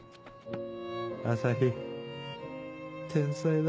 朝陽天才だ。